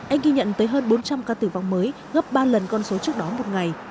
anh ghi nhận tới hơn bốn trăm linh ca tử vong mới gấp ba lần con số trước đó một ngày